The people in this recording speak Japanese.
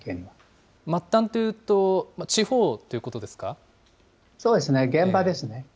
末端というと、地方というこそうですね、現場ですね。